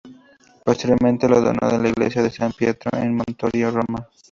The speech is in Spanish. Posteriormente la donó a la iglesia de San Pietro in Montorio, Roma.